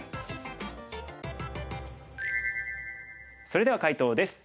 それでは解答です。